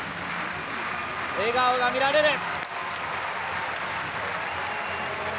笑顔が見られる。